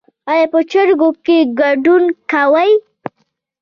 ایا په جرګو کې ګډون کوئ؟